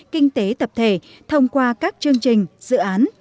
kinh tế tập thể thông qua các chương trình dự án